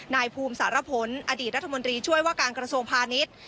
นายภูมิสารพลอดีตรัฐมนตรีช่วยว่าการกระทรวงพาณิชย์